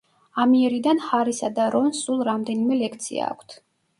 ამიერიდან ჰარისა და რონს სულ რამდენიმე ლექცია აქვთ.